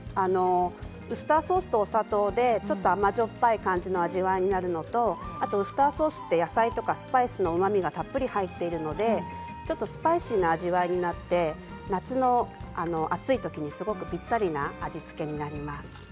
ウスターソースとお砂糖で甘じょっぱい感じの味わいになるのとウスターソースは野菜とかスパイスのうまみがたっぷり入っているのでちょっとスパイシーな味わいになって夏の暑い時にすごくぴったりな味付けになります。